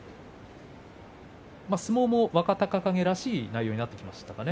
相撲も若隆景らしい内容になってきましたかね。